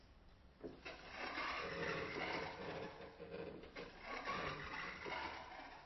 总主教府位于贝内文托老城区的主教座堂广场和奥尔西尼广场。